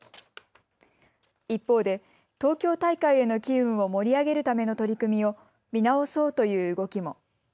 一方で東京大会への機運を盛り上げるための取り組みを見直そうという動きも。